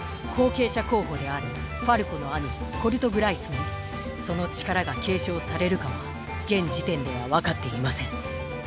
後継者候補であるファルコの兄コルト・グライスにその力が継承されるかは現時点ではわかっていません。